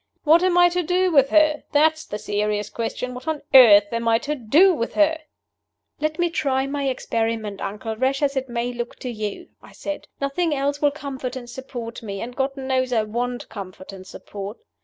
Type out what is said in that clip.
What am I to do with her? that's the serious question what on earth am I to do with her?" "Let me try my experiment, uncle, rash as it may look to you," I said. "Nothing else will comfort and support me; and God knows I want comfort and support.